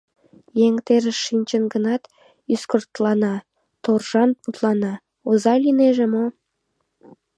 Еҥ терыш шинчын гынат, ӱскыртлана, торжан мутлана — оза лийнеже мо?